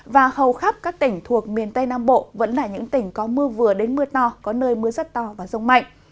và hầu khắp các tỉnh thuộc miền tây nam bộ vẫn là những tỉnh có mưa vừa đến mưa to có nơi mưa rất to và rông mạnh